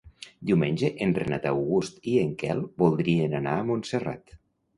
Diumenge en Renat August i en Quel voldrien anar a Montserrat.